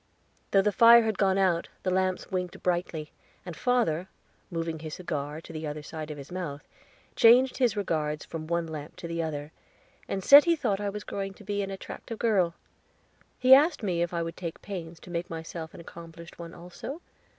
Though the fire had gone out, the lamps winked brightly, and father, moving his cigar to the other side of his mouth, changed his regards from one lamp to the other, and said he thought I was growing to be an attractive girl. He asked me if I would take pains to make myself an accomplished one also?